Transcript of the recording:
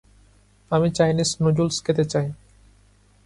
আমি Chinese noodles খেতে চাই।